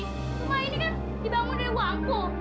rumah ini kan dibangun dari buangku